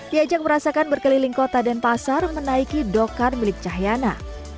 diajak merasakan berkeliling kota denpasar menaiki dokar milik cahyana